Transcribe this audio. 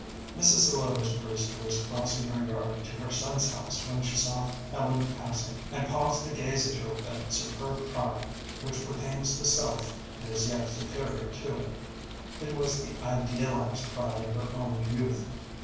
Mrs. Zelotes Brewster was crossing her yard to her son's house when she saw Ellen passing, and paused to gaze at her with that superb pride which pertains to self and is yet superior to it. It was the idealized pride of her own youth.